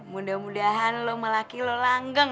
mudah mudahan lo sama laki lo langgeng